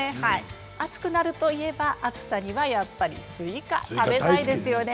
暑くなるといえば暑さにはスイカを食べたいですよね。